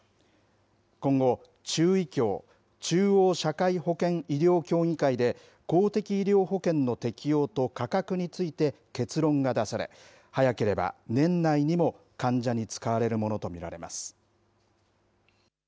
今後、中医協・中央社会保険医療協議会で、公的医療保険の適用と価格について結論が出され、早ければ年内にも患者に使われるものと見られます。